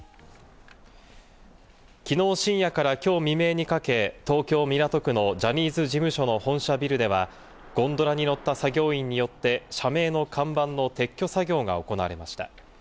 きのう深夜からきょう未明にかけ、東京・港区のジャニーズ事務所の本社ビルでは、ゴンドラに乗った作業員によって、社名の看板の撤去作業が行われました。